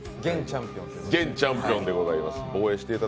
現チャンピオンでございます。